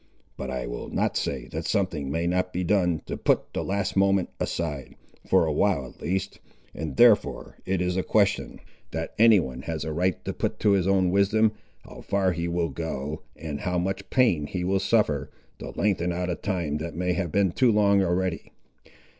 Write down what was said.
But I will not say that something may not be done to put the last moment aside, for a while at least, and therefore it is a question, that any one has a right to put to his own wisdom, how far he will go, and how much pain he will suffer, to lengthen out a time that may have been too long already.